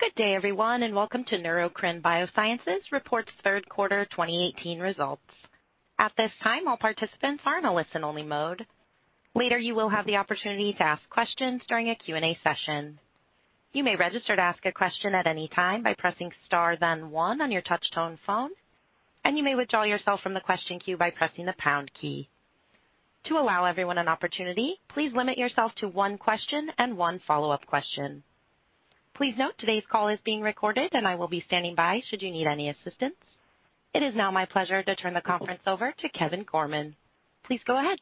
Good day everyone. Welcome to Neurocrine Biosciences Reports Third Quarter 2018 Results. At this time, all participants are in a listen only mode. Later, you will have the opportunity to ask questions during a Q&A session. You may register to ask a question at any time by pressing star then one on your touch-tone phone, and you may withdraw yourself from the question queue by pressing the pound key. To allow everyone an opportunity, please limit yourself to one question and one follow-up question. Please note, today's call is being recorded and I will be standing by should you need any assistance. It is now my pleasure to turn the conference over to Kevin Gorman. Please go ahead.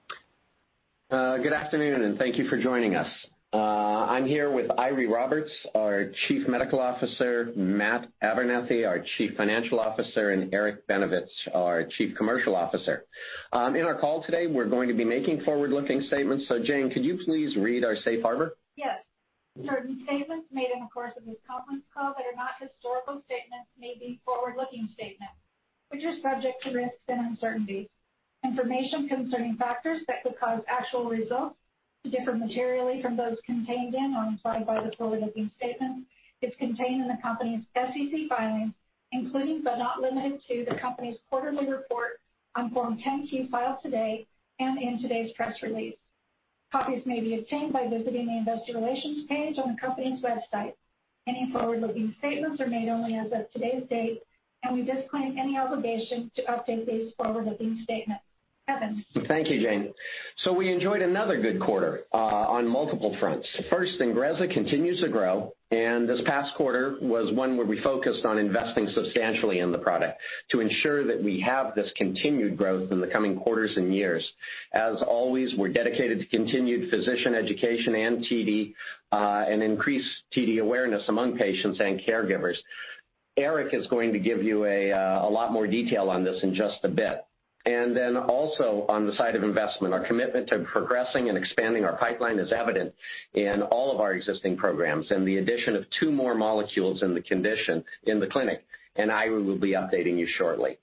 Good afternoon and thank you for joining us. I'm here with Eiry Roberts, our Chief Medical Officer, Matthew Abernethy, our Chief Financial Officer, and Eric Benevich, our Chief Commercial Officer. In our call today, we're going to be making forward-looking statements. Jane, could you please read our safe harbor? Yes. Certain statements made in the course of this conference call that are not historical statements may be forward-looking statements, which are subject to risks and uncertainties. Information concerning factors that could cause actual results to differ materially from those contained in or implied by the forward-looking statements is contained in the company's SEC filings, including but not limited to, the company's quarterly report on Form 10-Q filed today and in today's press release. Copies may be obtained by visiting the investor relations page on the company's website. Any forward-looking statements are made only as of today's date, and we disclaim any obligation to update these forward-looking statements. Kevin. Thank you, Jane. We enjoyed another good quarter on multiple fronts. First, INGREZZA continues to grow, and this past quarter was one where we focused on investing substantially in the product to ensure that we have this continued growth in the coming quarters and years. As always, we're dedicated to continued physician education and TD, and increase TD awareness among patients and caregivers. Eric is going to give you a lot more detail on this in just a bit. Also on the side of investment, our commitment to progressing and expanding our pipeline is evident in all of our existing programs, and the addition of two more molecules in the condition in the clinic. Eiry will be updating you shortly.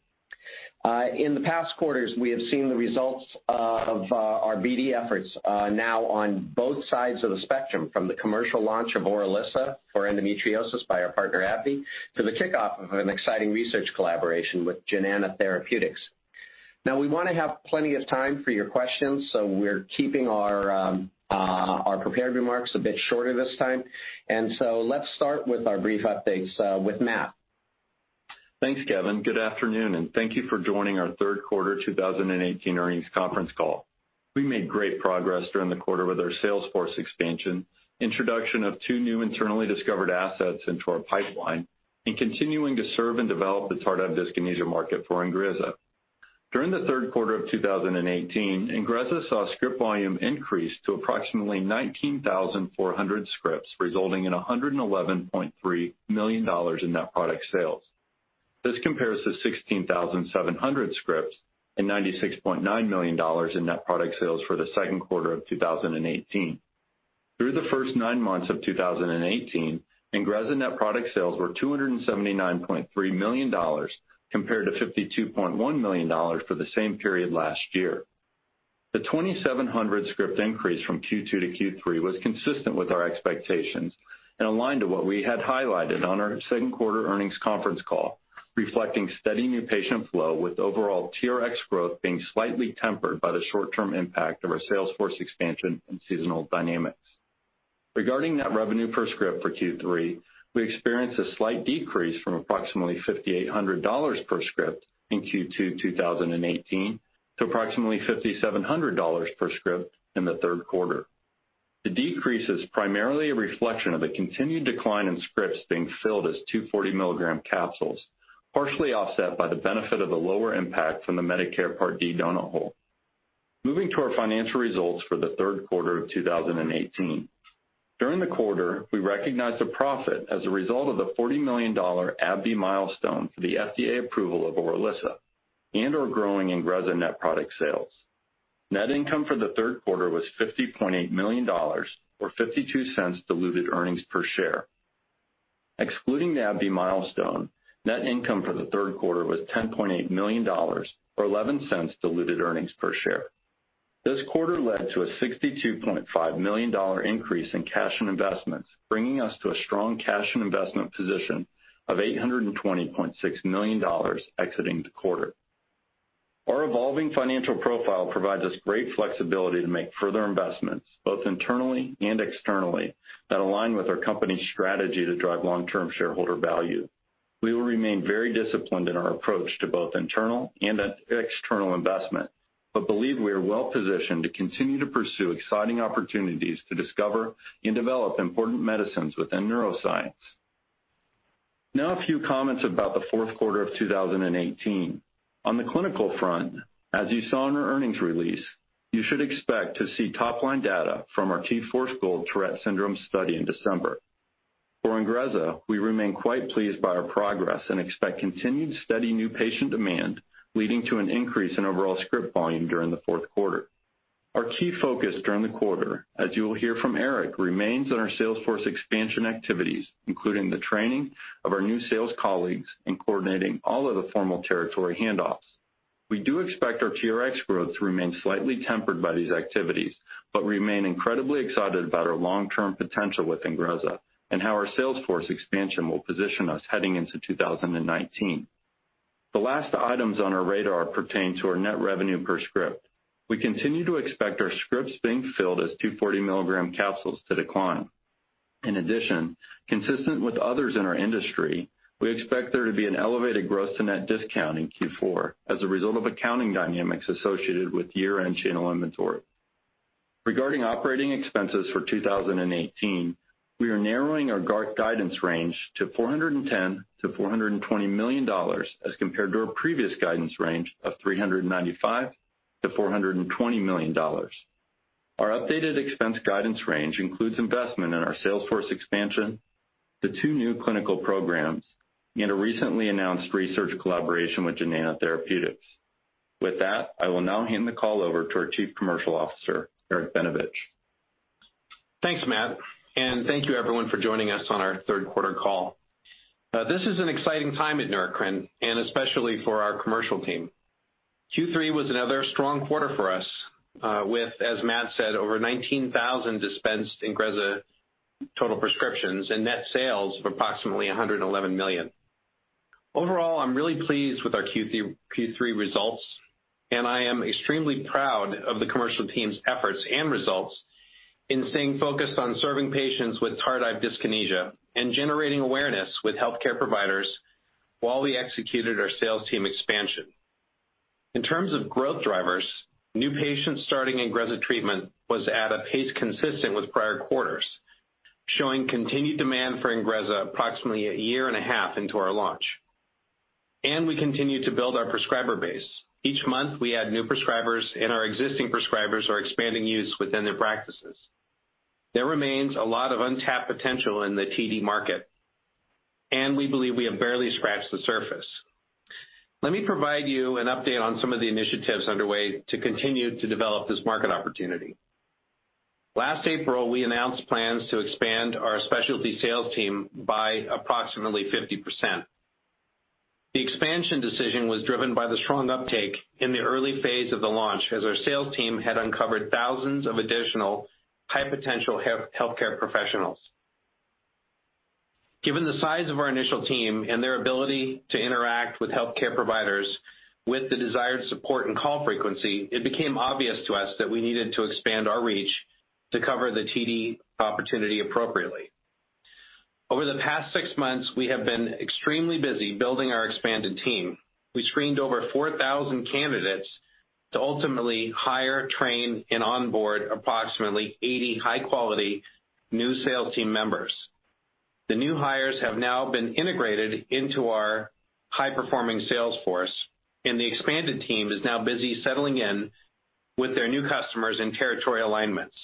In the past quarters, we have seen the results of our BD efforts on both sides of the spectrum, from the commercial launch of ORILISSA for endometriosis by our partner AbbVie, to the kickoff of an exciting research collaboration with Jnana Therapeutics. We want to have plenty of time for your questions, so we're keeping our prepared remarks a bit shorter this time. Let's start with our brief updates with Matt. Thanks, Kevin. Good afternoon, and thank you for joining our third quarter 2018 earnings conference call. We made great progress during the quarter with our sales force expansion, introduction of two new internally discovered assets into our pipeline, and continuing to serve and develop the tardive dyskinesia market for INGREZZA. During the third quarter of 2018, INGREZZA saw script volume increase to approximately 19,400 scripts, resulting in $111.3 million in net product sales. This compares to 16,700 scripts and $96.9 million in net product sales for the second quarter of 2018. Through the first nine months of 2018, INGREZZA net product sales were $279.3 million, compared to $52.1 million for the same period last year. The 2,700 script increase from Q2 to Q3 was consistent with our expectations and aligned to what we had highlighted on our second quarter earnings conference call, reflecting steady new patient flow with overall TRX growth being slightly tempered by the short-term impact of our sales force expansion and seasonal dynamics. Regarding net revenue per script for Q3, we experienced a slight decrease from approximately $5,800 per script in Q2 2018 to approximately $5,700 per script in the third quarter. The decrease is primarily a reflection of a continued decline in scripts being filled as two 40 milligram capsules, partially offset by the benefit of a lower impact from the Medicare Part D donut hole. Moving to our financial results for the third quarter of 2018. During the quarter, we recognized a profit as a result of the $40 million AbbVie milestone for the FDA approval of ORILISSA and our growing INGREZZA net product sales. Net income for the third quarter was $50.8 million, or $0.52 diluted earnings per share. Excluding the AbbVie milestone, net income for the third quarter was $10.8 million, or $0.11 diluted earnings per share. This quarter led to a $62.5 million increase in cash and investments, bringing us to a strong cash and investment position of $820.6 million exiting the quarter. Our evolving financial profile provides us great flexibility to make further investments, both internally and externally, that align with our company's strategy to drive long-term shareholder value. We will remain very disciplined in our approach to both internal and external investment, believe we are well-positioned to continue to pursue exciting opportunities to discover and develop important medicines within neuroscience. A few comments about the fourth quarter of 2018. On the clinical front, as you saw in our earnings release, you should expect to see top-line data from our T-FORCE GOLD Tourette syndrome study in December. For INGREZZA, we remain quite pleased by our progress and expect continued steady new patient demand, leading to an increase in overall script volume during the fourth quarter. Our key focus during the quarter, as you will hear from Eric, remains on our sales force expansion activities, including the training of our new sales colleagues and coordinating all of the formal territory handoffs. We do expect our TRX growth to remain slightly tempered by these activities, remain incredibly excited about our long-term potential with INGREZZA and how our sales force expansion will position us heading into 2019. The last items on our radar pertain to our net revenue per script. We continue to expect our scripts being filled as 240 milligram capsules to decline. In addition, consistent with others in our industry, we expect there to be an elevated gross to net discount in Q4 as a result of accounting dynamics associated with year-end channel inventory. Regarding operating expenses for 2018, we are narrowing our guidance range to $410 million-$420 million as compared to our previous guidance range of $395 million-$420 million. Our updated expense guidance range includes investment in our sales force expansion to two new clinical programs and a recently announced research collaboration with Jnana Therapeutics. I will now hand the call over to our Chief Commercial Officer, Eric Benevich. Thanks, Matt, thank you everyone for joining us on our third quarter call. This is an exciting time at Neurocrine, especially for our commercial team. Q3 was another strong quarter for us with, as Matt said, over 19,000 dispensed INGREZZA total prescriptions and net sales of approximately $111 million. Overall, I'm really pleased with our Q3 results, I am extremely proud of the commercial team's efforts and results in staying focused on serving patients with tardive dyskinesia and generating awareness with healthcare providers while we executed our sales team expansion. In terms of growth drivers, new patients starting INGREZZA treatment was at a pace consistent with prior quarters, showing continued demand for INGREZZA approximately a year and a half into our launch. We continue to build our prescriber base. Each month, we add new prescribers, our existing prescribers are expanding use within their practices. There remains a lot of untapped potential in the TD market, and we believe we have barely scratched the surface. Let me provide you an update on some of the initiatives underway to continue to develop this market opportunity. Last April, we announced plans to expand our specialty sales team by approximately 50%. The expansion decision was driven by the strong uptake in the early phase of the launch as our sales team had uncovered thousands of additional high-potential healthcare professionals. Given the size of our initial team and their ability to interact with healthcare providers with the desired support and call frequency, it became obvious to us that we needed to expand our reach to cover the TD opportunity appropriately. Over the past 6 months, we have been extremely busy building our expanded team. We screened over 4,000 candidates to ultimately hire, train, and onboard approximately 80 high-quality new sales team members. The new hires have now been integrated into our high-performing sales force, and the expanded team is now busy settling in with their new customers and territory alignments.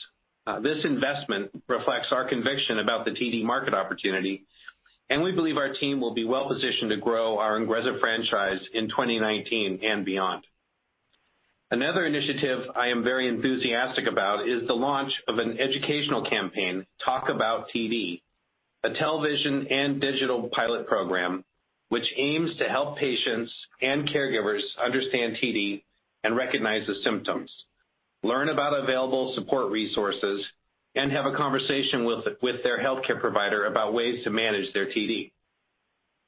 This investment reflects our conviction about the TD market opportunity, and we believe our team will be well-positioned to grow our INGREZZA franchise in 2019 and beyond. Another initiative I am very enthusiastic about is the launch of an educational campaign, Talk About TD, a television and digital pilot program which aims to help patients and caregivers understand TD and recognize the symptoms, learn about available support resources, and have a conversation with their healthcare provider about ways to manage their TD.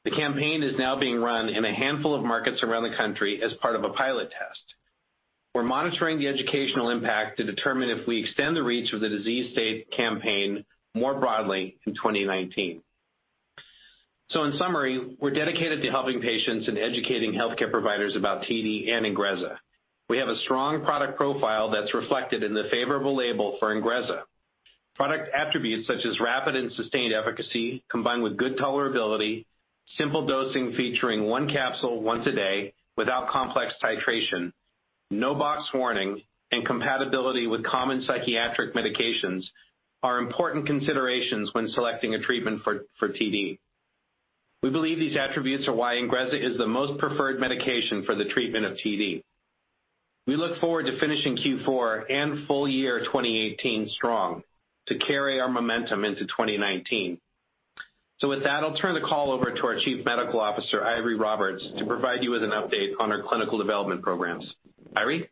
The campaign is now being run in a handful of markets around the country as part of a pilot test. We're monitoring the educational impact to determine if we extend the reach of the disease state campaign more broadly in 2019. In summary, we're dedicated to helping patients and educating healthcare providers about TD and INGREZZA. We have a strong product profile that's reflected in the favorable label for INGREZZA. Product attributes such as rapid and sustained efficacy, combined with good tolerability, simple dosing featuring 1 capsule once a day without complex titration, no box warning, and compatibility with common psychiatric medications are important considerations when selecting a treatment for TD. We believe these attributes are why INGREZZA is the most preferred medication for the treatment of TD. We look forward to finishing Q4 and full year 2018 strong to carry our momentum into 2019. With that, I'll turn the call over to our Chief Medical Officer, Eiry Roberts, to provide you with an update on our clinical development programs. Eiry?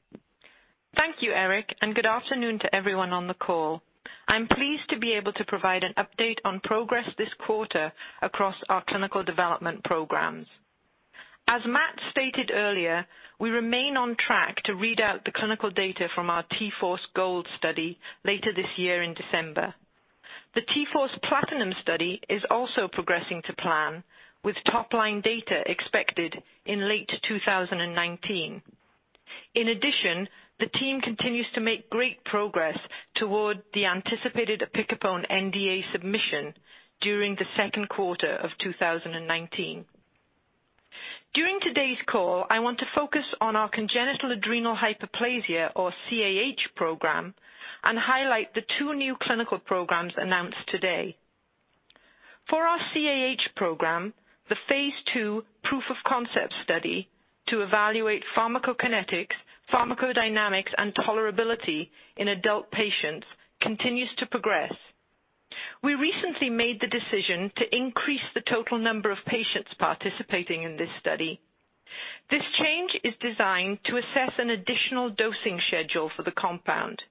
Thank you, Eric, and good afternoon to everyone on the call. I'm pleased to be able to provide an update on progress this quarter across our clinical development programs. As Matt stated earlier, we remain on track to read out the clinical data from our T-Force GOLD study later this year in December. The T-Force PLATINUM study is also progressing to plan with top-line data expected in late 2019. The team continues to make great progress toward the anticipated opicapone NDA submission during the second quarter of 2019. During today's call, I want to focus on our congenital adrenal hyperplasia, or CAH program, and highlight the two new clinical programs announced today. For our CAH program, the phase II proof of concept study to evaluate pharmacokinetics, pharmacodynamics, and tolerability in adult patients continues to progress. We recently made the decision to increase the total number of patients participating in this study. This change is designed to assess an additional dosing schedule for the compound,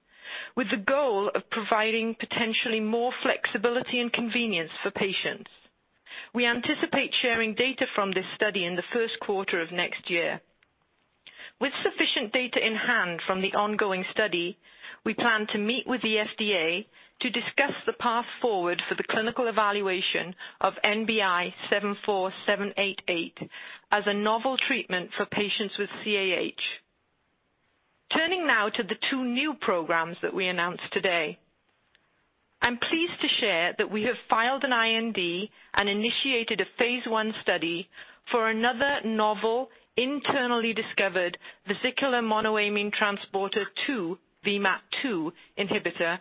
with the goal of providing potentially more flexibility and convenience for patients. We anticipate sharing data from this study in the first quarter of next year. With sufficient data in hand from the ongoing study, we plan to meet with the FDA to discuss the path forward for the clinical evaluation of NBI-74788 as a novel treatment for patients with CAH. Turning now to the two new programs that we announced today. I'm pleased to share that we have filed an IND and initiated a phase I study for another novel, internally discovered vesicular monoamine transporter 2, VMAT2 inhibitor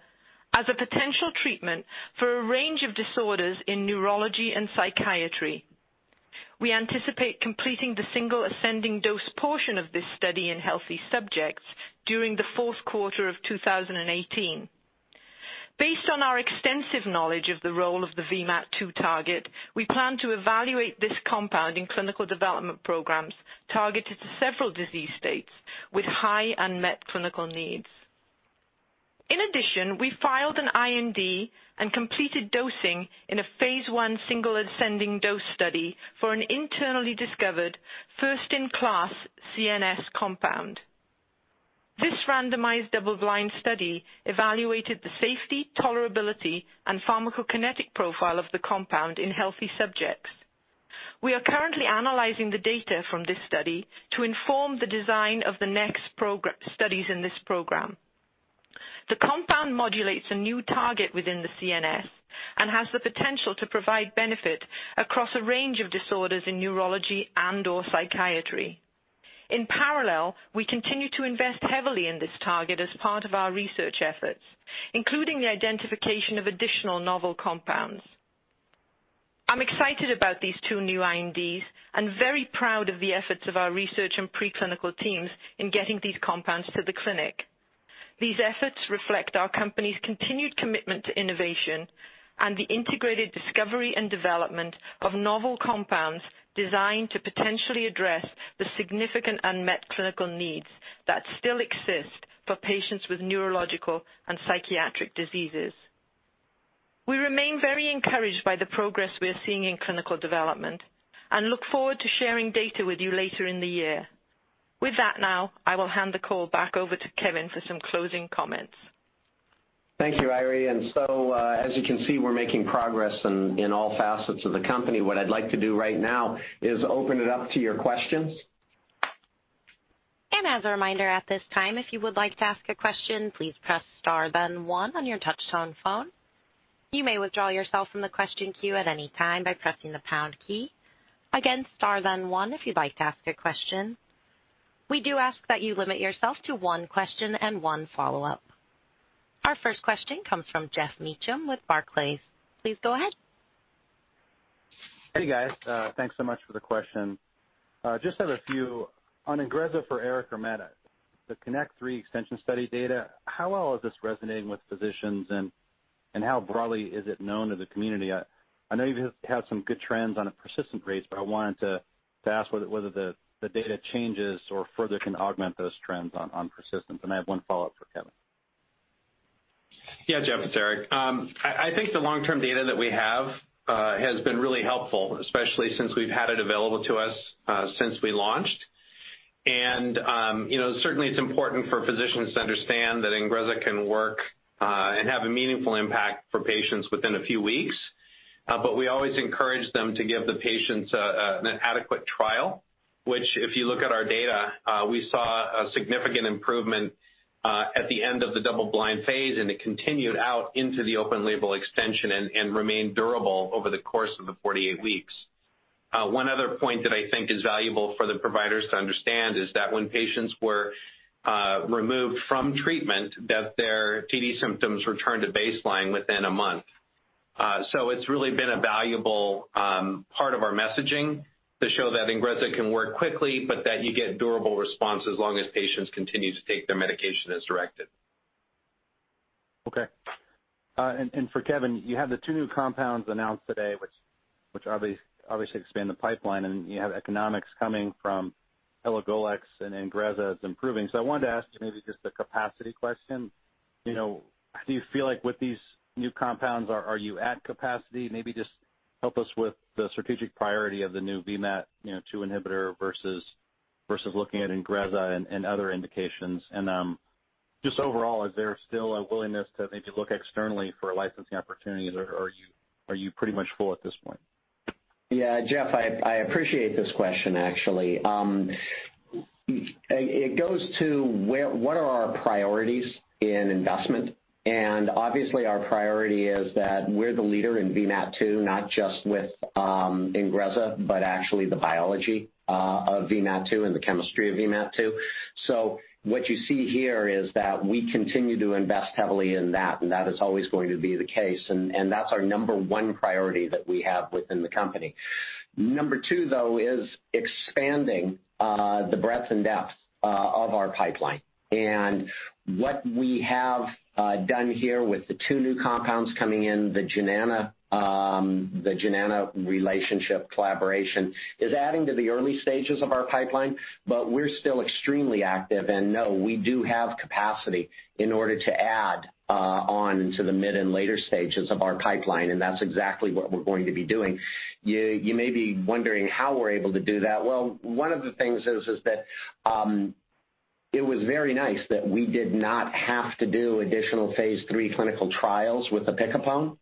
as a potential treatment for a range of disorders in neurology and psychiatry. We anticipate completing the single ascending dose portion of this study in healthy subjects during the fourth quarter of 2018. Based on our extensive knowledge of the role of the VMAT2 target, we plan to evaluate this compound in clinical development programs targeted to several disease states with high unmet clinical needs. We filed an IND and completed dosing in a phase I single ascending dose study for an internally discovered first-in-class CNS compound. This randomized double-blind study evaluated the safety, tolerability, and pharmacokinetic profile of the compound in healthy subjects. We are currently analyzing the data from this study to inform the design of the next studies in this program. The compound modulates a new target within the CNS and has the potential to provide benefit across a range of disorders in neurology and/or psychiatry. We continue to invest heavily in this target as part of our research efforts, including the identification of additional novel compounds. I'm excited about these two new INDs and very proud of the efforts of our research and preclinical teams in getting these compounds to the clinic. These efforts reflect our company's continued commitment to innovation and the integrated discovery and development of novel compounds designed to potentially address the significant unmet clinical needs that still exist for patients with neurological and psychiatric diseases. We remain very encouraged by the progress we are seeing in clinical development and look forward to sharing data with you later in the year. With that now, I will hand the call back over to Kevin for some closing comments. Thank you, Eiry. As you can see, we're making progress in all facets of the company. What I'd like to do right now is open it up to your questions. As a reminder at this time, if you would like to ask a question, please press star then one on your touchtone phone. You may withdraw yourself from the question queue at any time by pressing the pound key. Again, star then one if you'd like to ask a question. We do ask that you limit yourself to one question and one follow-up. Our first question comes from Geoff Meacham with Barclays. Please go ahead. Hey, guys. Thanks so much for the question. Just have a few on INGREZZA for Eric or Matt. The Kinect 3 extension study data, how well is this resonating with physicians and how broadly is it known to the community? I know you have had some good trends on the persistent rates, but I wanted to ask whether the data changes or further can augment those trends on persistent. I have one follow-up for Kevin. Yeah. Geoff, it's Eric. I think the long-term data that we have has been really helpful, especially since we've had it available to us since we launched. Certainly, it's important for physicians to understand that INGREZZA can work and have a meaningful impact for patients within a few weeks. We always encourage them to give the patients an adequate trial, which, if you look at our data, we saw a significant improvement at the end of the double-blind phase, and it continued out into the open label extension and remained durable over the course of the 48 weeks. One other point that I think is valuable for the providers to understand is that when patients were removed from treatment, that their TD symptoms returned to baseline within a month. It's really been a valuable part of our messaging to show that INGREZZA can work quickly, but that you get durable response as long as patients continue to take their medication as directed. Okay. For Kevin, you have the two new compounds announced today, which obviously expand the pipeline, and you have economics coming from elagolix and INGREZZA is improving. I wanted to ask you maybe just a capacity question. Do you feel like with these new compounds, are you at capacity? Maybe just help us with the strategic priority of the new VMAT2 inhibitor versus looking at INGREZZA and other indications. Just overall, is there still a willingness to maybe look externally for licensing opportunities, or are you pretty much full at this point? Yeah. Geoff, I appreciate this question, actually. It goes to what are our priorities in investment, and obviously our priority is that we're the leader in VMAT2, not just with INGREZZA, but actually the biology of VMAT2 and the chemistry of VMAT2. What you see here is that we continue to invest heavily in that, and that is always going to be the case, and that's our number one priority that we have within the company. Number two, though, is expanding the breadth and depth of our pipeline. What we have done here with the two new compounds coming in, the Jnana relationship collaboration, is adding to the early stages of our pipeline, but we're still extremely active. No, we do have capacity in order to add on to the mid and later stages of our pipeline, and that's exactly what we're going to be doing. You may be wondering how we're able to do that. Well, one of the things is that it was very nice that we did not have to do additional phase III clinical trials with opicapone.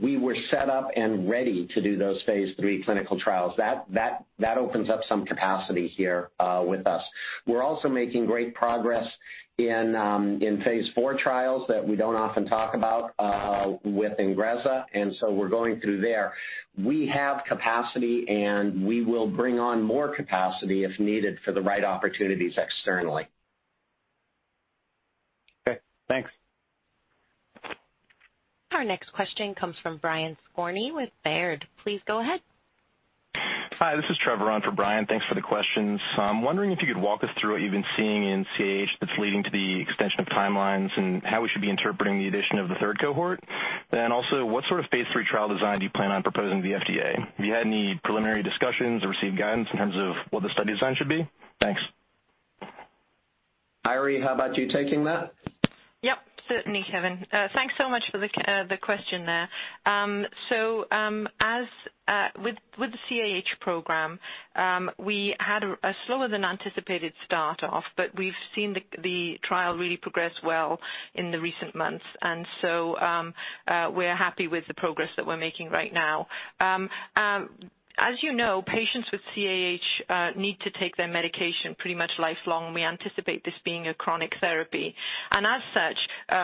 We were set up and ready to do those phase III clinical trials. That opens up some capacity here with us. We're also making great progress in phase IV trials that we don't often talk about with INGREZZA. We're going through there. We have capacity, and we will bring on more capacity if needed for the right opportunities externally. Okay, thanks. Our next question comes from Brian Skorney with Baird. Please go ahead. Hi, this is Trevor on for Brian. Thanks for the questions. I'm wondering if you could walk us through what you've been seeing in CAH that's leading to the extension of timelines and how we should be interpreting the addition of the third cohort. What sort of phase III trial design do you plan on proposing to the FDA? Have you had any preliminary discussions or received guidance in terms of what the study design should be? Thanks. Eiry, how about you taking that? Yep, certainly, Kevin. Thanks so much for the question there. With the CAH program, we had a slower than anticipated start off, but we've seen the trial really progress well in the recent months. We're happy with the progress that we're making right now. As you know, patients with CAH need to take their medication pretty much lifelong, and we anticipate this being a chronic therapy. As such,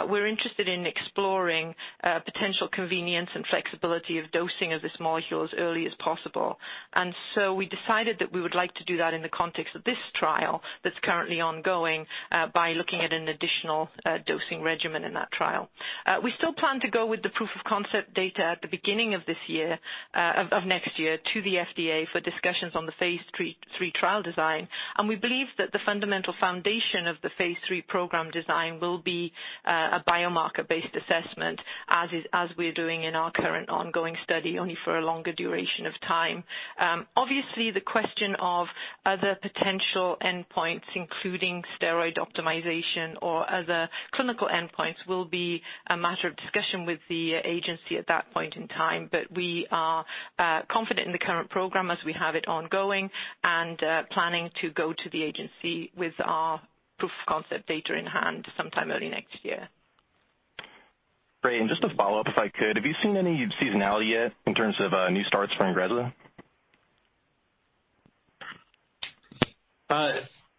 we're interested in exploring potential convenience and flexibility of dosing of this molecule as early as possible. We decided that we would like to do that in the context of this trial that's currently ongoing by looking at an additional dosing regimen in that trial. We still plan to go with the proof of concept data at the beginning of next year to the FDA for discussions on the phase III trial design. We believe that the fundamental foundation of the phase III program design will be a biomarker-based assessment, as we're doing in our current ongoing study, only for a longer duration of time. Obviously, the question of other potential endpoints, including steroid optimization or other clinical endpoints, will be a matter of discussion with the agency at that point in time. We are confident in the current program as we have it ongoing and planning to go to the agency with our proof of concept data in hand sometime early next year. Great. Just a follow-up if I could. Have you seen any seasonality yet in terms of new starts for INGREZZA?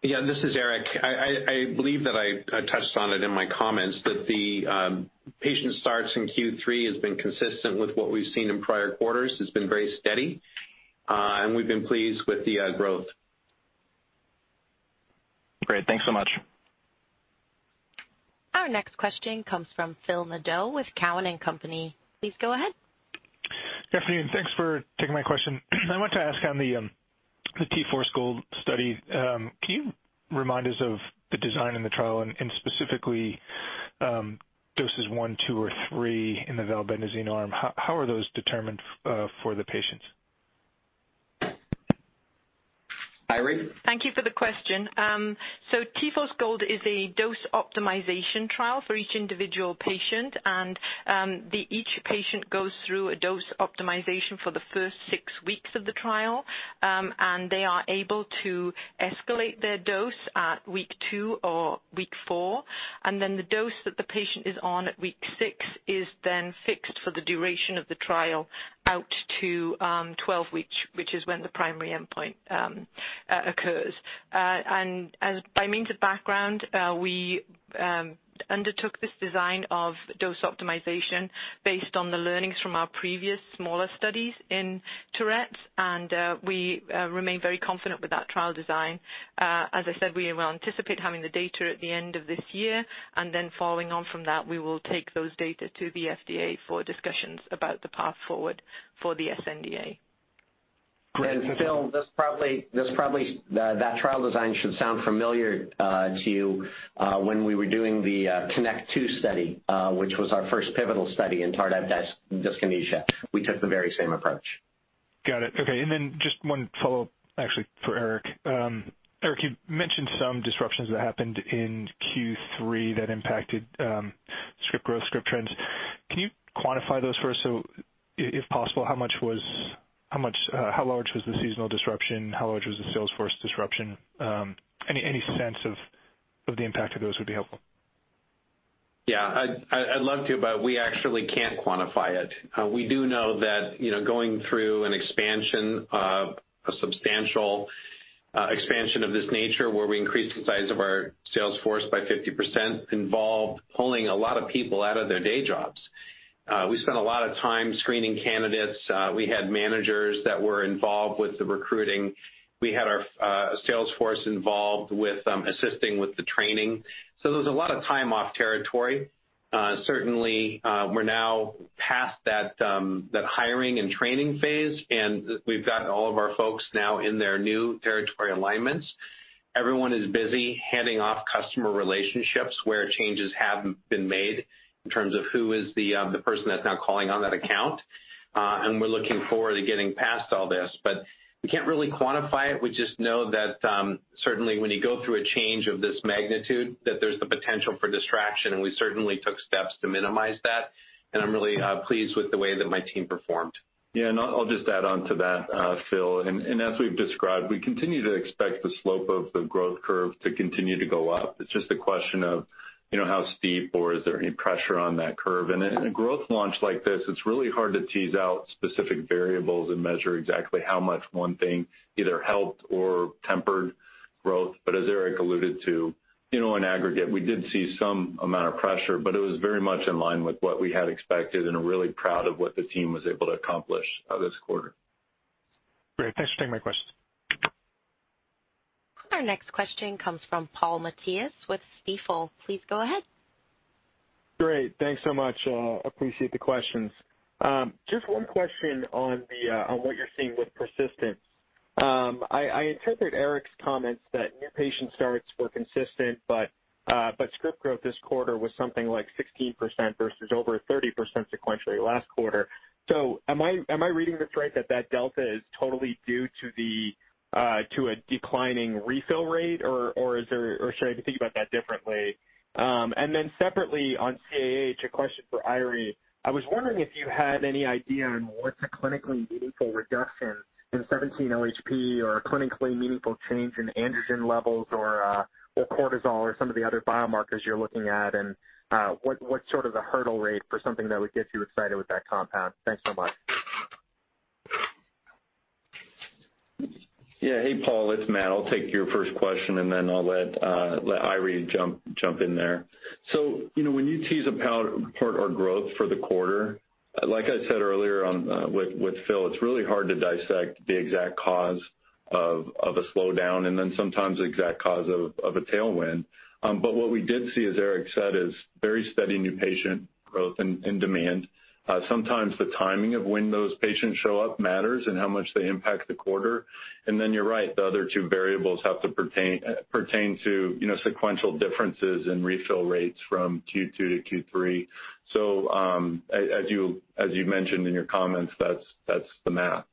This is Eric. I believe that I touched on it in my comments that the patient starts in Q3 has been consistent with what we've seen in prior quarters. It's been very steady. We've been pleased with the growth. Great. Thanks so much. Our next question comes from Phil Nadeau with Cowen and Company. Please go ahead. Good afternoon. Thanks for taking my question. I wanted to ask on the T-Force GOLD study. Can you remind us of the design in the trial and specifically doses one, two, or three in the valbenazine arm? How are those determined for the patients? Eiry? Thank you for the question. T-Force GOLD is a dose optimization trial for each individual patient. Each patient goes through a dose optimization for the first six weeks of the trial. They are able to escalate their dose at week two or week four. The dose that the patient is on at week six is then fixed for the duration of the trial out to 12 weeks, which is when the primary endpoint occurs. By means of background, we undertook this design of dose optimization based on the learnings from our previous smaller studies in Tourette's, and we remain very confident with that trial design. As I said, we will anticipate having the data at the end of this year, and then following on from that, we will take those data to the FDA for discussions about the path forward for the sNDA. Phil, that trial design should sound familiar to you. When we were doing the KINECT 2 study, which was our first pivotal study in tardive dyskinesia, we took the very same approach. Got it. Okay. Just one follow-up, actually, for Eric. Eric, you mentioned some disruptions that happened in Q3 that impacted script growth, script trends. Can you quantify those for us, if possible? How large was the seasonal disruption? How large was the sales force disruption? Any sense of the impact of those would be helpful. Yeah. I'd love to, but we actually can't quantify it. We do know that going through a substantial expansion of this nature, where we increased the size of our sales force by 50%, involved pulling a lot of people out of their day jobs. We spent a lot of time screening candidates. We had managers that were involved with the recruiting. We had our sales force involved with assisting with the training. There's a lot of time off territory. Certainly, we're now past that hiring and training phase. We've got all of our folks now in their new territory alignments. Everyone is busy handing off customer relationships where changes have been made in terms of who is the person that's now calling on that account. We're looking forward to getting past all this. We can't really quantify it. We just know that certainly when you go through a change of this magnitude, that there's the potential for distraction. We certainly took steps to minimize that. I'm really pleased with the way that my team performed. Yeah. I'll just add on to that, Phil. As we've described, we continue to expect the slope of the growth curve to continue to go up. It's just a question of how steep or is there any pressure on that curve. In a growth launch like this, it's really hard to tease out specific variables and measure exactly how much one thing either helped or tempered growth. As Eric alluded to, in aggregate, we did see some amount of pressure, but it was very much in line with what we had expected and are really proud of what the team was able to accomplish this quarter. Great. Thanks for taking my question. Our next question comes from Paul Matteis with Stifel. Please go ahead. Great. Thanks so much. Appreciate the questions. Just one question on what you're seeing with persistence. I interpreted Eric's comments that new patient starts were consistent, but script growth this quarter was something like 16% versus over 30% sequentially last quarter. Am I reading this right, that delta is totally due to a declining refill rate, or should I be thinking about that differently? Separately on CAH, a question for Eiry. I was wondering if you had any idea on what's a clinically meaningful reduction in 17-OHP or a clinically meaningful change in androgen levels or cortisol or some of the other biomarkers you're looking at, and what sort of the hurdle rate for something that would get you excited with that compound. Thanks so much. Yeah. Hey, Paul, it's Matt. I'll take your first question, then I'll let Eiry jump in there. When you tease apart our growth for the quarter, like I said earlier on with Phil, it's really hard to dissect the exact cause of a slowdown and sometimes the exact cause of a tailwind. What we did see, as Eric said, is very steady new patient growth and demand. Sometimes the timing of when those patients show up matters and how much they impact the quarter. You're right, the other two variables have to pertain to sequential differences in refill rates from Q2 to Q3. As you mentioned in your comments, that's the math.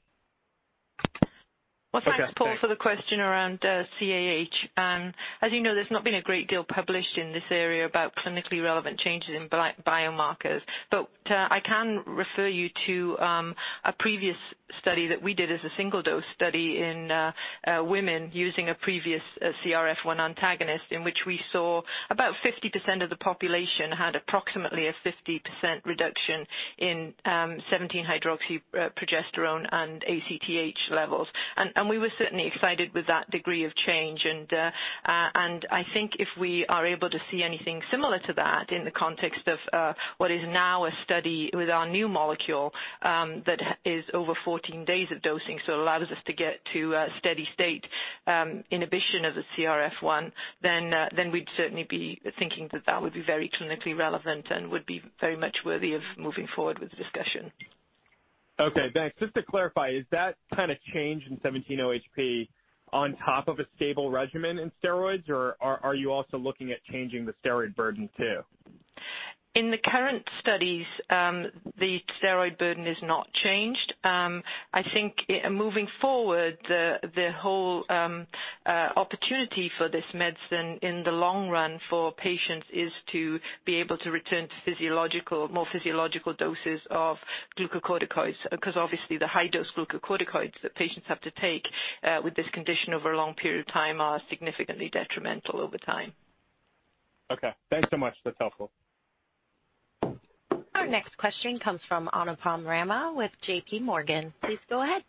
Thanks, Paul, for the question around CAH. As you know, there's not been a great deal published in this area about clinically relevant changes in biomarkers. I can refer you to a previous study that we did as a single-dose study in women using a previous CRF1 antagonist, in which we saw about 50% of the population had approximately a 50% reduction in 17-hydroxyprogesterone and ACTH levels. We were certainly excited with that degree of change. I think if we are able to see anything similar to that in the context of what is now a study with our new molecule that is over 14 days of dosing, allows us to get to a steady state inhibition of the CRF1, then we'd certainly be thinking that that would be very clinically relevant and would be very much worthy of moving forward with the discussion. Thanks. Just to clarify, is that kind of change in 17-OHP on top of a stable regimen in steroids, or are you also looking at changing the steroid burden too? In the current studies, the steroid burden is not changed. I think moving forward, the whole opportunity for this medicine in the long run for patients is to be able to return to more physiological doses of glucocorticoids, because obviously the high-dose glucocorticoids that patients have to take with this condition over a long period of time are significantly detrimental over time. Okay. Thanks so much. That's helpful. Our next question comes from Anupam Rama with J.P. Morgan. Please go ahead.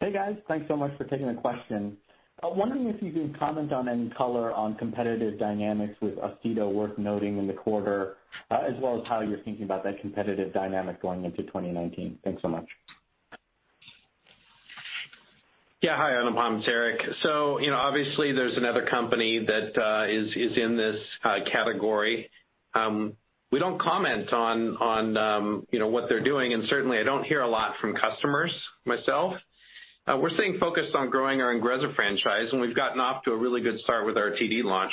Hey, guys. Thanks so much for taking the question. Wondering if you could comment on any color on competitive dynamics with Austedo worth noting in the quarter, as well as how you're thinking about that competitive dynamic going into 2019. Thanks so much. Yeah. Hi, Anupam. It's Eric. Obviously there's another company that is in this category. We don't comment on what they're doing, and certainly I don't hear a lot from customers myself. We're staying focused on growing our INGREZZA franchise, and we've gotten off to a really good start with our TD launch.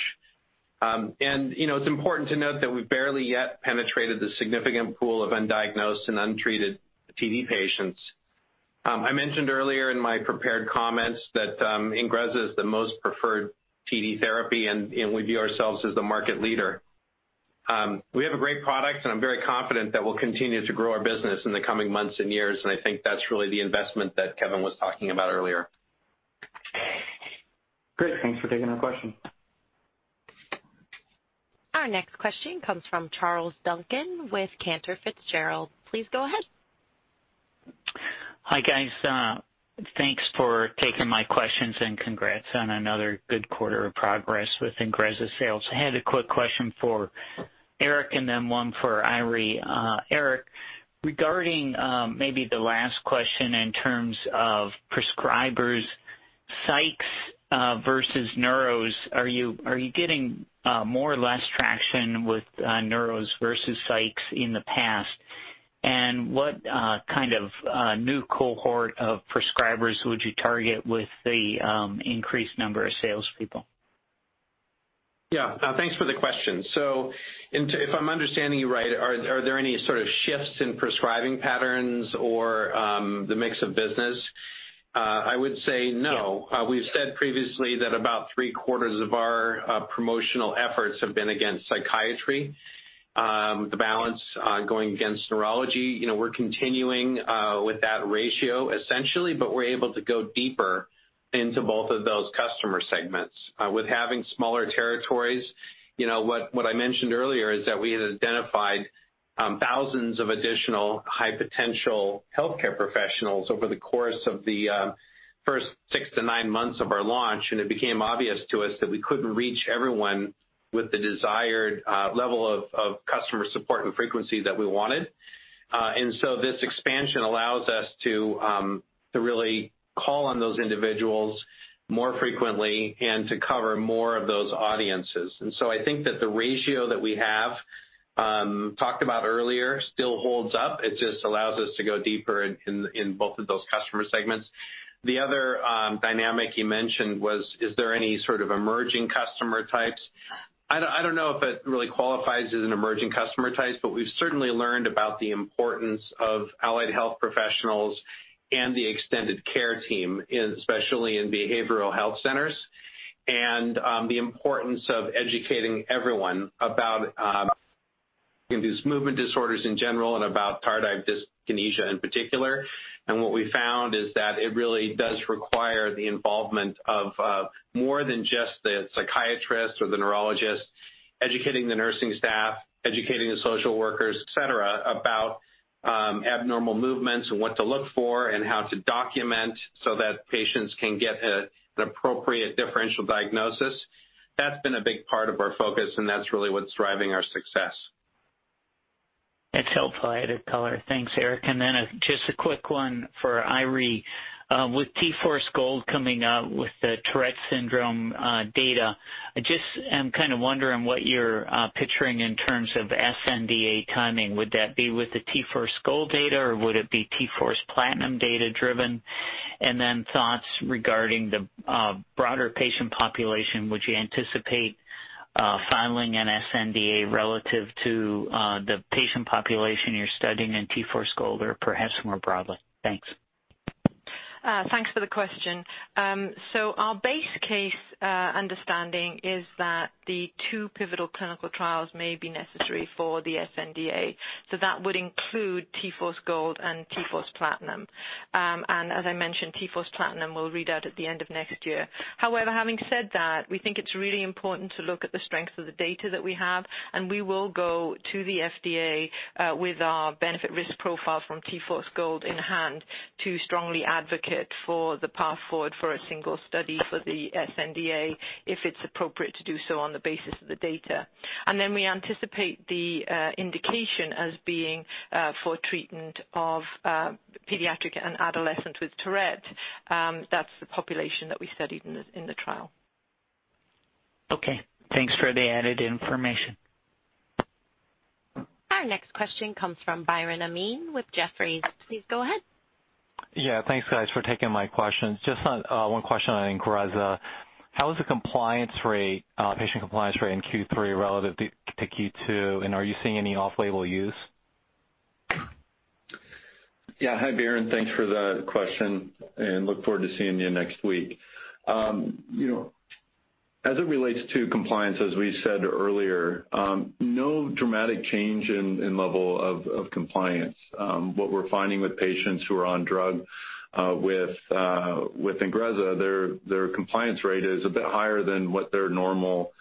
It's important to note that we've barely yet penetrated the significant pool of undiagnosed and untreated TD patients. I mentioned earlier in my prepared comments that INGREZZA is the most preferred TD therapy, and we view ourselves as the market leader. We have a great product, and I'm very confident that we'll continue to grow our business in the coming months and years, and I think that's really the investment that Kevin was talking about earlier. Great. Thanks for taking our question. Our next question comes from Charles Duncan with Cantor Fitzgerald. Please go ahead. Hi, guys. Thanks for taking my questions and congrats on another good quarter of progress with INGREZZA sales. I had a quick question for Eric and then one for Eiry. Eric, regarding maybe the last question in terms of prescribers, Psychs versus neuros. Are you getting more or less traction with neuros versus Psychs in the past? What kind of new cohort of prescribers would you target with the increased number of salespeople? Thanks for the question. If I'm understanding you right, are there any sort of shifts in prescribing patterns or the mix of business? I would say no. We've said previously that about three-quarters of our promotional efforts have been against psychiatry. The balance going against neurology. We're continuing with that ratio essentially, but we're able to go deeper into both of those customer segments. With having smaller territories, what I mentioned earlier is that we had identified thousands of additional high-potential healthcare professionals over the course of the first 6 to 9 months of our launch, and it became obvious to us that we couldn't reach everyone with the desired level of customer support and frequency that we wanted. This expansion allows us to really call on those individuals more frequently and to cover more of those audiences. I think that the ratio that we have talked about earlier still holds up. It just allows us to go deeper in both of those customer segments. The other dynamic you mentioned was, is there any sort of emerging customer types? I don't know if it really qualifies as an emerging customer type, but we've certainly learned about the importance of allied health professionals and the extended care team, especially in behavioral health centers, and the importance of educating everyone about induced movement disorders in general and about tardive dyskinesia in particular. What we found is that it really does require the involvement of more than just the psychiatrist or the neurologist. Educating the nursing staff, educating the social workers, et cetera, about abnormal movements and what to look for and how to document so that patients can get an appropriate differential diagnosis. That's been a big part of our focus, and that's really what's driving our success. That's helpful added color. Thanks, Eric. Just a quick one for Eiry. With T-Force GOLD coming out with the Tourette syndrome data, I just am kind of wondering what you're picturing in terms of sNDA timing. Would that be with the T-Force GOLD data, or would it be T-Force PLATINUM data-driven? Thoughts regarding the broader patient population. Would you anticipate filing an sNDA relative to the patient population you're studying in T-Force GOLD or perhaps more broadly? Thanks. Thanks for the question. Our base case understanding is that the two pivotal clinical trials may be necessary for the sNDA. That would include T-Force GOLD and T-Force PLATINUM. As I mentioned, T-Force PLATINUM will read out at the end of next year. However, having said that, we think it's really important to look at the strength of the data that we have, and we will go to the FDA with our benefit risk profile from T-Force GOLD in hand to strongly advocate for the path forward for a single study for the sNDA, if it's appropriate to do so on the basis of the data. We anticipate the indication as being for treatment of pediatric and adolescent with Tourette syndrome. That's the population that we studied in the trial. Okay, thanks for the added information. Our next question comes from Biren Amin with Jefferies. Please go ahead. Yeah. Thanks, guys, for taking my questions. Just one question on INGREZZA. How is the patient compliance rate in Q3 relative to Q2, and are you seeing any off-label use? Hi, Biren. Thanks for the question and look forward to seeing you next week. As it relates to compliance, as we said earlier, no dramatic change in level of compliance. What we're finding with patients who are on drug with INGREZZA, their compliance rate is a bit higher than what their normal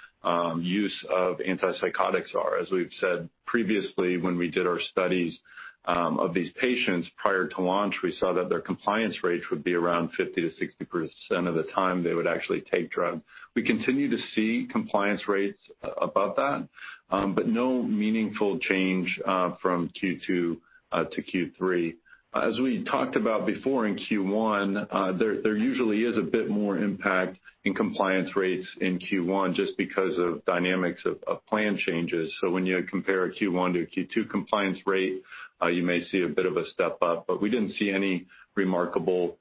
use of antipsychotics are. As we've said previously, when we did our studies of these patients prior to launch, we saw that their compliance rates would be around 50%-60% of the time they would actually take drug. We continue to see compliance rates above that, but no meaningful change from Q2 to Q3. As we talked about before in Q1, there usually is a bit more impact in compliance rates in Q1 just because of dynamics of plan changes. When you compare a Q1 to a Q2 compliance rate, you may see a bit of a step up, but we didn't see any remarkable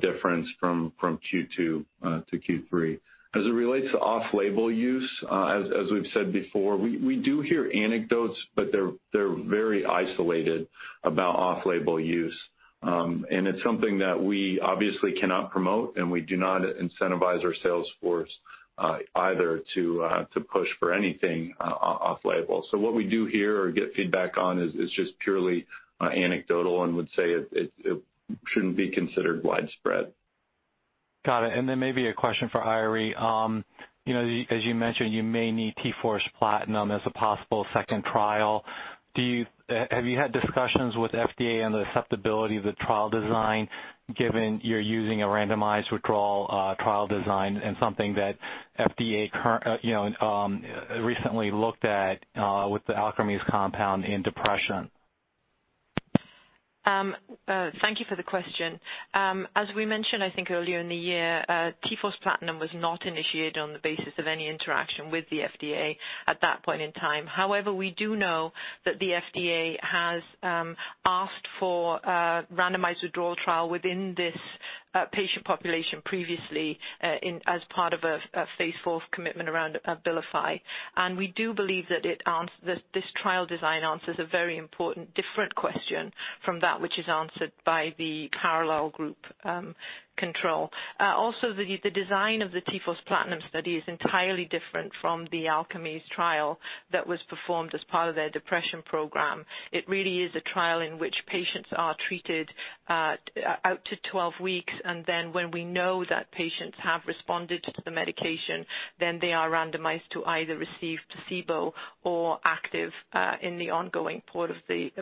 difference from Q2 to Q3. As it relates to off-label use, as we've said before, we do hear anecdotes, but they're very isolated about off-label use. It's something that we obviously cannot promote, and we do not incentivize our sales force either to push for anything off label. What we do hear or get feedback on is just purely anecdotal and would say it shouldn't be considered widespread. Got it. Then maybe a question for Eiry. As you mentioned, you may need T-Force PLATINUM as a possible second trial. Have you had discussions with FDA on the acceptability of the trial design, given you're using a randomized withdrawal trial design and something that FDA recently looked at with the Alkermes compound in depression? Thank you for the question. As we mentioned, I think, earlier in the year, T-Force PLATINUM was not initiated on the basis of any interaction with the FDA at that point in time. However, we do know that the FDA has asked for a randomized withdrawal trial within this patient population previously as part of a phase IV commitment around ABILIFY. We do believe that this trial design answers a very important different question from that which is answered by the parallel group control. The design of the T-Force PLATINUM study is entirely different from the Alkermes trial that was performed as part of their depression program. It really is a trial in which patients are treated out to 12 weeks, then when we know that patients have responded to the medication, then they are randomized to either receive placebo or active in the ongoing part of the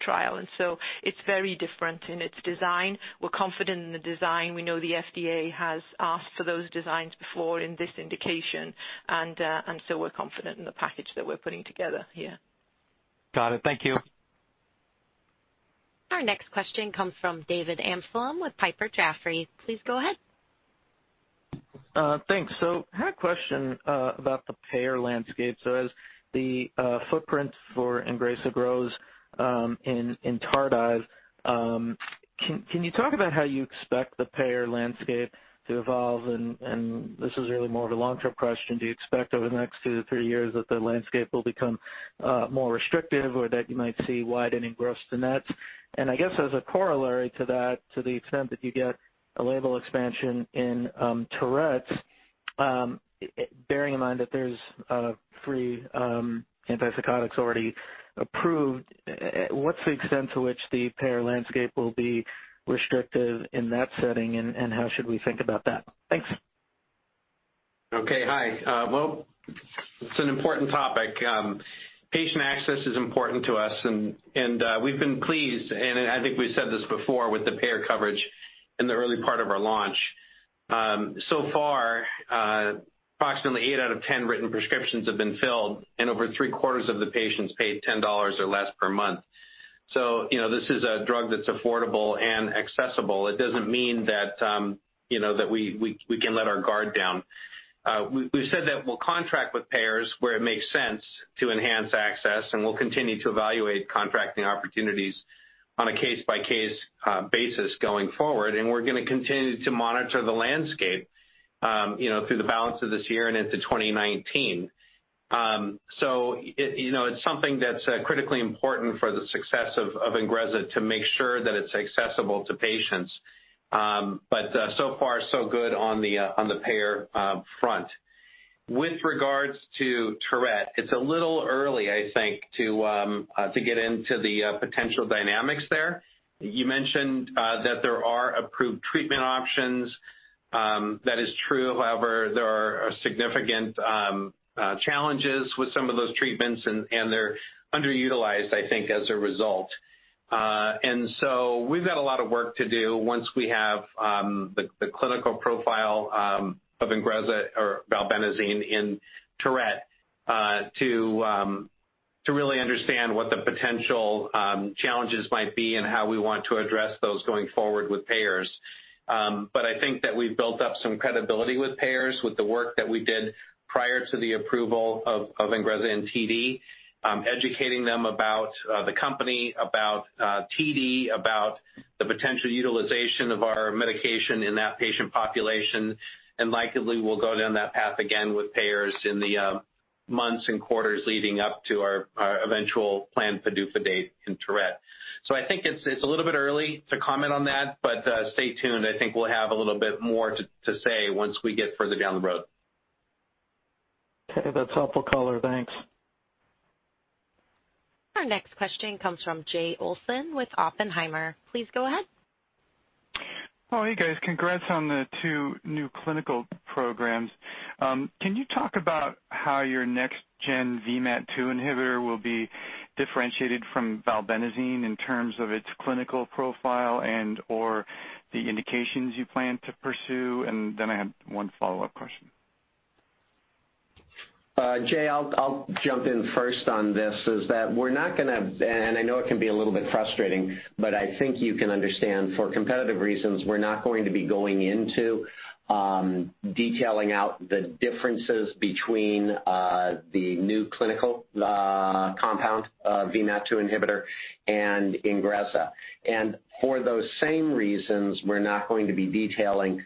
trial. It's very different in its design. We're confident in the design. We know the FDA has asked for those designs before in this indication, we're confident in the package that we're putting together here. Got it. Thank you. Our next question comes from David Amsellem with Piper Jaffray. Please go ahead. Thanks. I had a question about the payer landscape. As the footprint for INGREZZA grows in tardive, can you talk about how you expect the payer landscape to evolve, and, this is really more of a long-term question, do you expect over the next two to three years that the landscape will become more restrictive or that you might see widening gross nets? I guess as a corollary to that, to the extent that you get a label expansion in Tourette's, bearing in mind that there's three antipsychotics already approved, what's the extent to which the payer landscape will be restrictive in that setting, how should we think about that? Thanks. Well, it's an important topic. Patient access is important to us, and we've been pleased, and I think we said this before, with the payer coverage in the early part of our launch. Far, approximately eight out of 10 written prescriptions have been filled, and over three-quarters of the patients paid $10 or less per month. This is a drug that's affordable and accessible. It doesn't mean that we can let our guard down. We've said that we'll contract with payers where it makes sense to enhance access, and we'll continue to evaluate contracting opportunities on a case-by-case basis going forward. We're going to continue to monitor the landscape through the balance of this year and into 2019. It's something that's critically important for the success of INGREZZA to make sure that it's accessible to patients. Far, so good on the payer front. With regards to Tourette, it's a little early, I think, to get into the potential dynamics there. You mentioned that there are approved treatment options. That is true. However, there are significant challenges with some of those treatments, and they're underutilized, I think, as a result. We've got a lot of work to do once we have the clinical profile of INGREZZA or valbenazine in Tourette, to really understand what the potential challenges might be and how we want to address those going forward with payers. I think that we've built up some credibility with payers with the work that we did prior to the approval of INGREZZA in TD, educating them about the company, about TD, about the potential utilization of our medication in that patient population. Likely we'll go down that path again with payers in the months and quarters leading up to our eventual planned PDUFA date in Tourette. I think it's a little bit early to comment on that, stay tuned. I think we'll have a little bit more to say once we get further down the road. That's helpful color. Thanks. Our next question comes from Jay Olson with Oppenheimer. Please go ahead. Oh, hey, guys. Congrats on the two new clinical programs. Can you talk about how your next gen VMAT2 inhibitor will be differentiated from valbenazine in terms of its clinical profile and or the indications you plan to pursue? Then I have one follow-up question. Jay, I'll jump in first on this is that we're not going to, I know it can be a little bit frustrating, but I think you can understand for competitive reasons, we're not going to be going into detailing out the differences between the new clinical compound VMAT2 inhibitor and INGREZZA. For those same reasons, we're not going to be detailing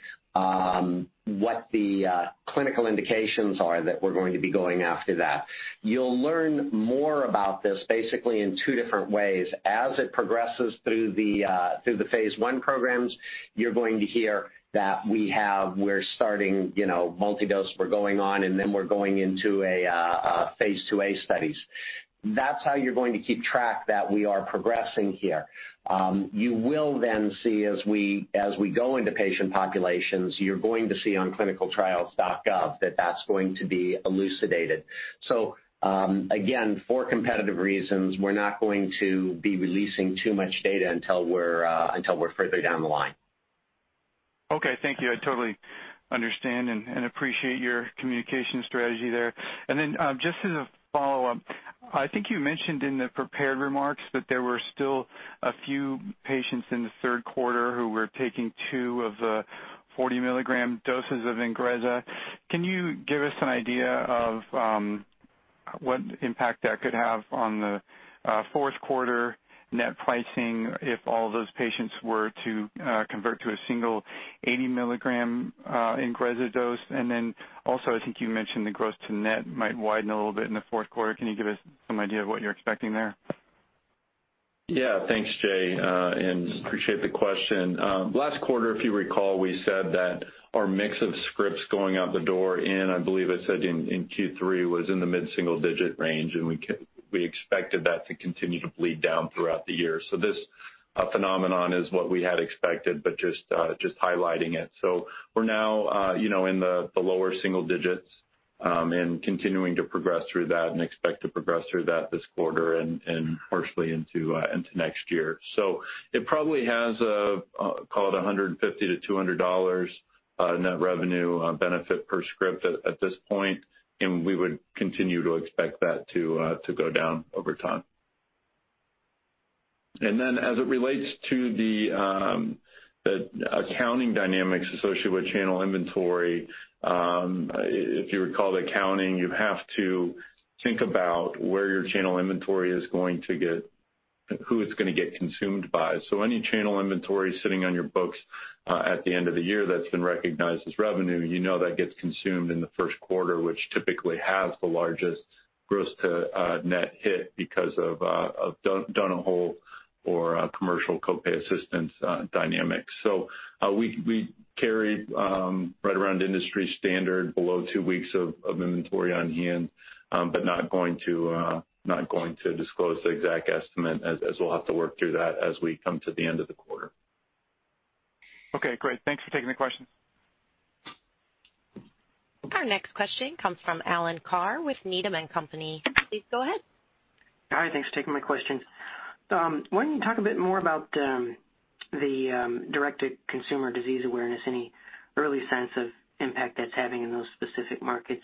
what the clinical indications are that we're going to be going after that. You'll learn more about this basically in two different ways. As it progresses through the phase I programs, you're going to hear that we're starting multi-dose, we're going on, then we're going into a phase II studies. That's how you're going to keep track that we are progressing here. You will then see as we go into patient populations, you're going to see on ClinicalTrials.gov that that's going to be elucidated. Again, for competitive reasons, we're not going to be releasing too much data until we're further down the line. Okay. Thank you. I totally understand and appreciate your communication strategy there. Just as a follow-up, I think you mentioned in the prepared remarks that there were still a few patients in the third quarter who were taking two of the 40 milligram doses of INGREZZA. Can you give us an idea of what impact that could have on the fourth quarter net pricing if all those patients were to convert to a single 80 milligram INGREZZA dose? Also, I think you mentioned the gross to net might widen a little bit in the fourth quarter. Can you give us some idea of what you're expecting there? Yeah. Thanks, Jay and appreciate the question. Last quarter, if you recall, we said that our mix of scripts going out the door in, I believe I said in Q3, was in the mid-single digit range, and we expected that to continue to bleed down throughout the year. This phenomenon is what we had expected, but just highlighting it. We're now in the lower single digits, and continuing to progress through that and expect to progress through that this quarter and partially into next year. It probably has a, call it $150-$200 net revenue benefit per script at this point, and we would continue to expect that to go down over time. As it relates to the accounting dynamics associated with channel inventory, if you recall the accounting, you have to think about where your channel inventory is going to get consumed by. Any channel inventory sitting on your books, at the end of the year that's been recognized as revenue, you know that gets consumed in the first quarter, which typically has the largest gross to net hit because of donut hole or commercial co-pay assistance dynamics. We carry right around industry standard below two weeks of inventory on hand, but not going to disclose the exact estimate as we'll have to work through that as we come to the end of the quarter. Okay, great. Thanks for taking the question. Our next question comes from Alan Carr with Needham & Company. Please go ahead. Hi, thanks for taking my question. Why don't you talk a bit more about the direct to consumer disease awareness, any early sense of impact that's having in those specific markets?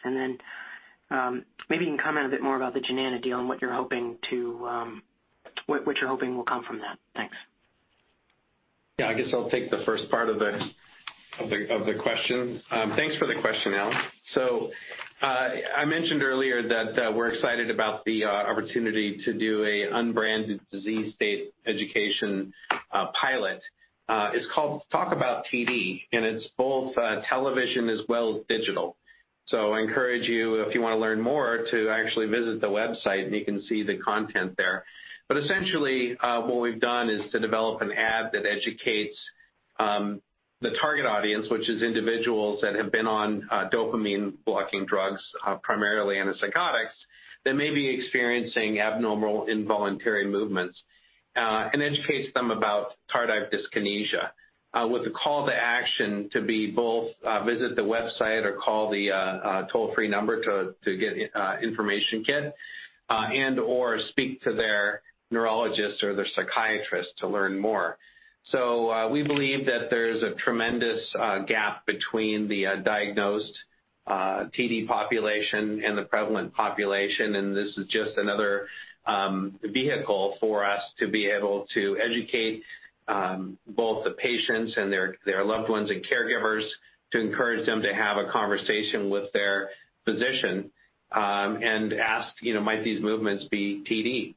Then, maybe you can comment a bit more about the Jnana deal and what you're hoping will come from that. Thanks. Yeah, I guess I'll take the first part of the question. Thanks for the question, Alan. I mentioned earlier that we're excited about the opportunity to do an unbranded disease state education pilot. It's called Talk About TD, and it's both television as well as digital. I encourage you, if you want to learn more, to actually visit the website, and you can see the content there. Essentially, what we've done is to develop an ad that educates the target audience, which is individuals that have been on dopamine blocking drugs, primarily antipsychotics, that may be experiencing abnormal involuntary movements, and educates them about tardive dyskinesia. With a call to action to be both visit the website or call the toll-free number to get an information kit, and/or speak to their neurologist or their psychiatrist to learn more. We believe that there's a tremendous gap between the diagnosed TD population and the prevalent population, and this is just another vehicle for us to be able to educate both the patients and their loved ones and caregivers to encourage them to have a conversation with their physician, and ask, "Might these movements be TD?"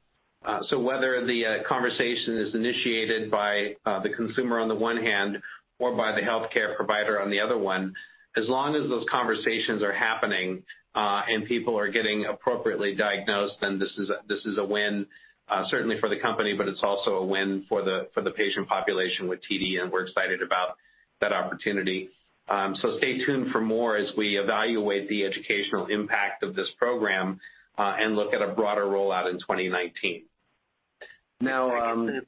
Whether the conversation is initiated by the consumer on the one hand or by the healthcare provider on the other one, as long as those conversations are happening and people are getting appropriately diagnosed, then this is a win, certainly for the company, but it's also a win for the patient population with TD, and we're excited about that opportunity. Stay tuned for more as we evaluate the educational impact of this program, and look at a broader rollout in 2019. The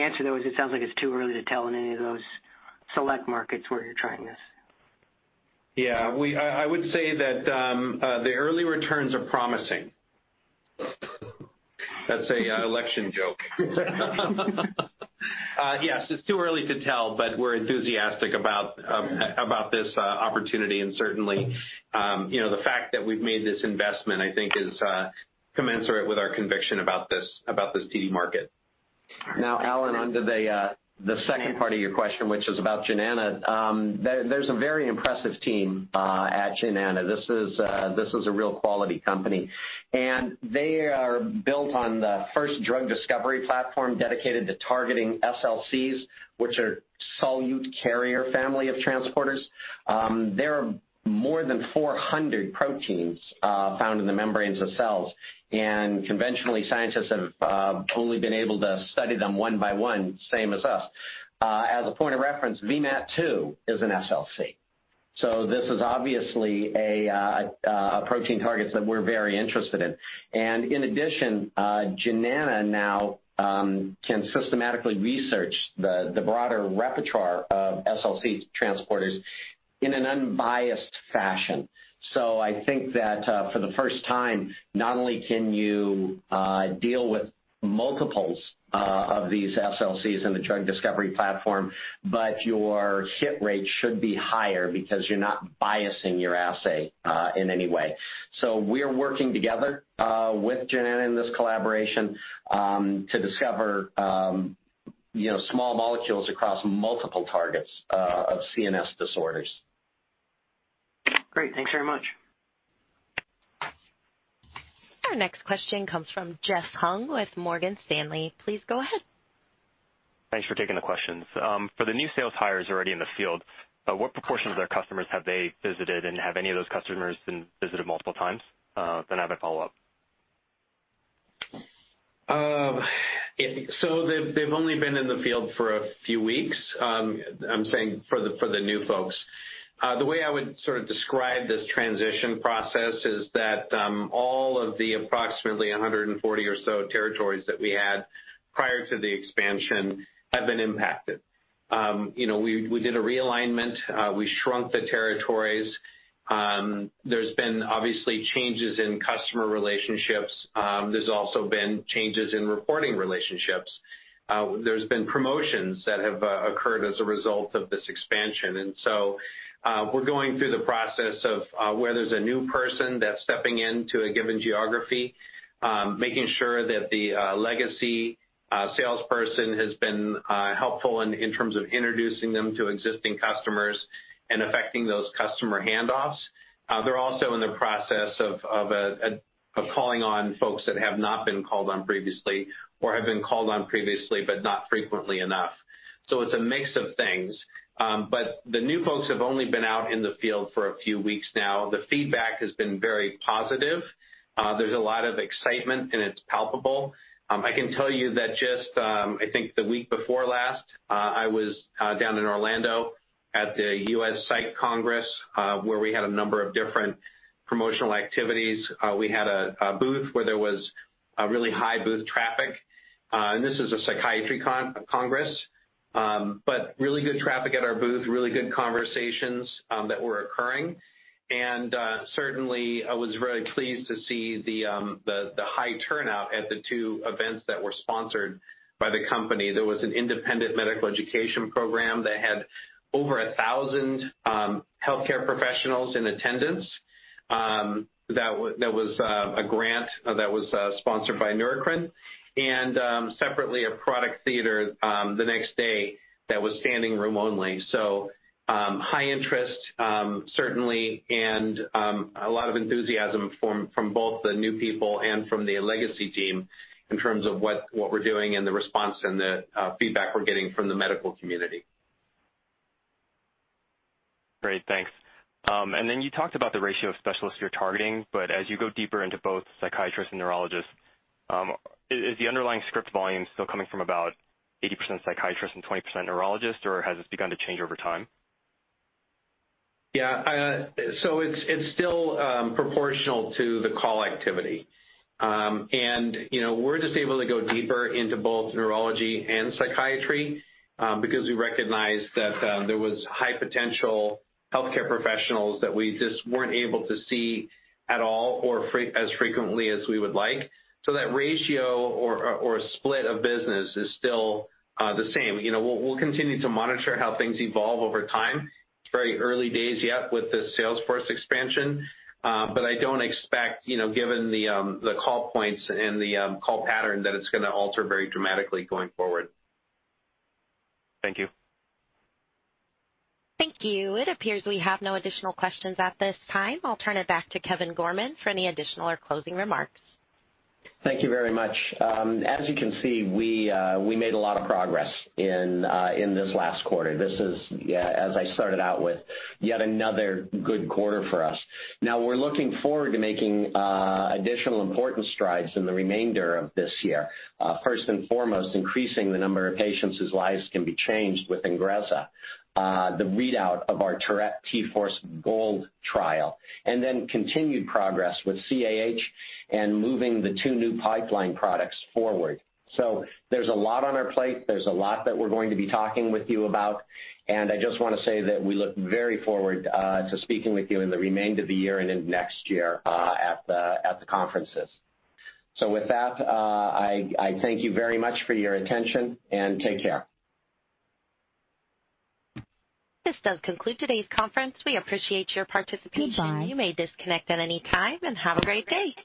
answer, though, is it sounds like it's too early to tell in any of those select markets where you're trying this. Yeah. I would say that the early returns are promising. That's an election joke. Yes, it's too early to tell, but we're enthusiastic about this opportunity and certainly, the fact that we've made this investment, I think is commensurate with our conviction about this TD market. All right. Alan, onto the second part of your question, which is about Jnana Therapeutics. There's a very impressive team at Jnana Therapeutics. This is a real quality company, and they are built on the first drug discovery platform dedicated to targeting SLCs, which are solute carrier family of transporters. There are more than 400 proteins found in the membranes of cells, and conventionally, scientists have only been able to study them one by one, same as us. As a point of reference, VMAT2 is an SLC. This is obviously a protein targets that we're very interested in. And in addition, Jnana Therapeutics now can systematically research the broader repertoire of SLC transporters. In an unbiased fashion. I think that for the first time, not only can you deal with multiples of these SLCs in the drug discovery platform, but your hit rate should be higher because you're not biasing your assay in any way. We're working together with Genentech in this collaboration to discover small molecules across multiple targets of CNS disorders. Great. Thanks very much. Our next question comes from Jeff Hung with Morgan Stanley. Please go ahead. Thanks for taking the questions. For the new sales hires already in the field, what proportion of their customers have they visited, and have any of those customers been visited multiple times? I have a follow-up. They've only been in the field for a few weeks. I'm saying for the new folks. The way I would sort of describe this transition process is that all of the approximately 140 or so territories that we had prior to the expansion have been impacted. We did a realignment, we shrunk the territories. There's been obviously changes in customer relationships. There's also been changes in reporting relationships. There's been promotions that have occurred as a result of this expansion. We're going through the process of where there's a new person that's stepping into a given geography, making sure that the legacy salesperson has been helpful in terms of introducing them to existing customers and effecting those customer handoffs. They're also in the process of calling on folks that have not been called on previously or have been called on previously, but not frequently enough. It's a mix of things. The new folks have only been out in the field for a few weeks now. The feedback has been very positive. There's a lot of excitement, and it's palpable. I can tell you that just, I think the week before last, I was down in Orlando at the U.S. Psych Congress, where we had a number of different promotional activities. We had a booth where there was a really high booth traffic. This is a psychiatry congress, but really good traffic at our booth, really good conversations that were occurring. Certainly, I was very pleased to see the high turnout at the two events that were sponsored by the company. There was an independent medical education program that had over 1,000 healthcare professionals in attendance. That was a grant that was sponsored by Neurocrine. Separately, a product theater the next day that was standing room only. High interest, certainly, and a lot of enthusiasm from both the new people and from the legacy team in terms of what we're doing and the response and the feedback we're getting from the medical community. Great. Thanks. You talked about the ratio of specialists you're targeting, as you go deeper into both psychiatrists and neurologists, is the underlying script volume still coming from about 80% psychiatrists and 20% neurologists, or has this begun to change over time? Yeah. It's still proportional to the call activity. We're just able to go deeper into both neurology and psychiatry because we recognized that there was high potential healthcare professionals that we just weren't able to see at all or as frequently as we would like. That ratio or split of business is still the same. We'll continue to monitor how things evolve over time. It's very early days yet with the sales force expansion. I don't expect, given the call points and the call pattern, that it's going to alter very dramatically going forward. Thank you. Thank you. It appears we have no additional questions at this time. I'll turn it back to Kevin Gorman for any additional or closing remarks. Thank you very much. As you can see, we made a lot of progress in this last quarter. This is, as I started out with, yet another good quarter for us. We're looking forward to making additional important strides in the remainder of this year. First and foremost, increasing the number of patients whose lives can be changed with INGREZZA. The readout of our Tourette T-Force GOLD trial, continued progress with CAH and moving the two new pipeline products forward. There's a lot on our plate. There's a lot that we're going to be talking with you about, and I just want to say that we look very forward to speaking with you in the remainder of the year and into next year at the conferences. With that, I thank you very much for your attention, and take care. This does conclude today's conference. We appreciate your participation. Goodbye. You may disconnect at any time, and have a great day.